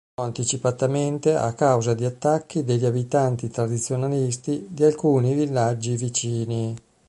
Terminò anticipatamente a causa di attacchi degli abitanti tradizionalisti di alcuni villaggi vicini.